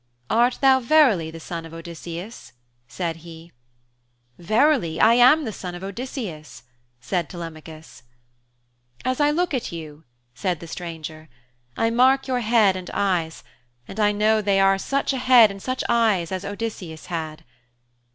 'Art thou verily the son of Odysseus?' said he. 'Verily, I am the son of Odysseus,' said Telemachus. 'As I look at you,' said the stranger, 'I mark your head and eyes, and I know they are such a head and such eyes as Odysseus had.